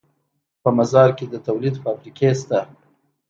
په مزار کې د تولید فابریکې شته